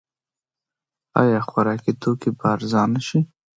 آیا خوراکي توکي به ارزانه شي؟